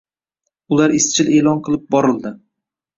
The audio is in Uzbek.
Ular izchil eʼlon qilib borildi